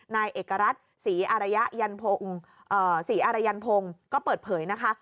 นายเอกรัฐศรีอารยันพงก็เปิดเผยนะคะ